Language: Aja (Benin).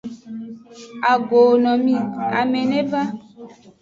Agooo no mi; ame ne va.